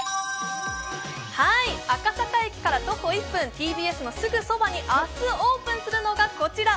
赤坂駅から徒歩１分、ＴＢＳのすぐそばに明日オープンするのがこちら